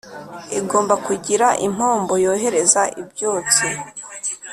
igomba kugira impombo yohereza ibyotsi